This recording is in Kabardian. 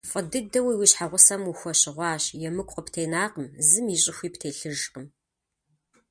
ФӀы дыдэуи уи щхьэгъусэм ухуэщыгъуащ, емыкӀу къыптенакъым, зым и щӀыхуи птелъыжкъым.